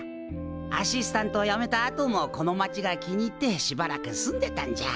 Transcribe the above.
アシスタントをやめたあともこの町が気に入ってしばらく住んでたんじゃ。